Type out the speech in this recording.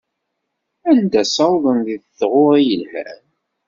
Anda sawḍen deg taɣuṛi yelhan?